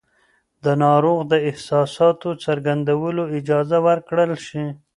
د ناروغ د احساساتو څرګندولو اجازه ورکړل شي.